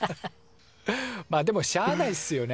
まあでもしゃあないっすよね。